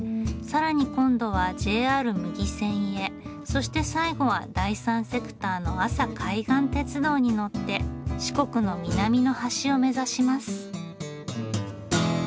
そして最後は第三セクターの阿佐海岸鉄道に乗って四国の南の端を目指します。